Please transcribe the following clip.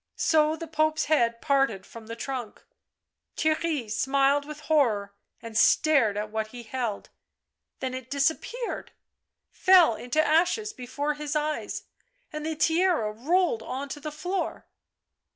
so the Pope's head parted from the trunk. Theirry smiled with horror and stared at what he held. Then it disappeared, fell into ashes before his eyes, and the tiara rolled on to the floor.